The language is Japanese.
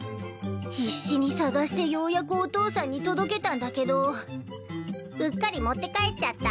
必死に捜してようやくお父さんに届けたんだけどうっかり持って帰っちゃった。